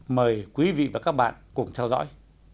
mời quý vị và các bạn cùng theo dõi